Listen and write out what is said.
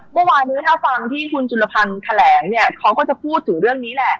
เมื่อวานนี้ถ้าฟังที่คุณจุลพันธ์แถลงเนี่ยเขาก็จะพูดถึงเรื่องนี้แหละ